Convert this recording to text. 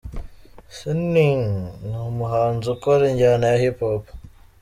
Ciney: Ni umuhanzi ukora injyana ya Hip Hop.